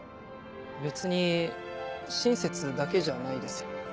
別に親切だけじゃないですよ。